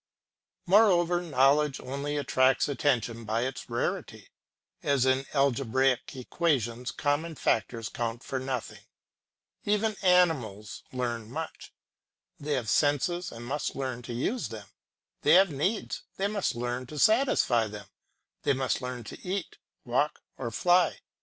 Moreover, knowledge only attracts attention by its rarity, as in algebraic equations common factors count for nothing. Even animals learn much. They have senses and must learn to use them; they have needs, they must learn to satisfy them; they must learn to eat, walk, or fly.